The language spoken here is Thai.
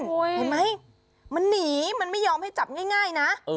เห็นไหมมันหนีมันไม่ยอมให้จับง่ายนะ